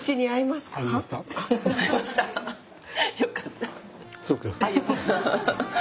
よかった。